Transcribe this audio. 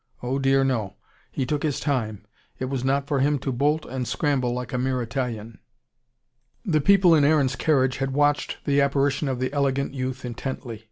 Oh, dear, no. He took his time. It was not for him to bolt and scramble like a mere Italian. The people in Aaron's carriage had watched the apparition of the elegant youth intently.